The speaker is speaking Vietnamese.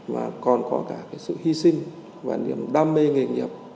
mà còn có cả cái sự hy sinh và niềm đam mê nghề nghiệp